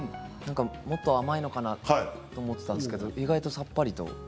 もっと甘いのかなと思っていたんですけれど意外と、さっぱりと。